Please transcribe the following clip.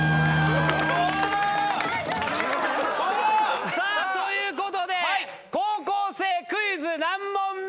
・大丈夫？さあということで高校生クイズ何問目？